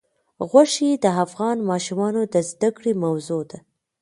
غوښې د افغان ماشومانو د زده کړې موضوع ده.